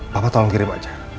papa tolong kirim aja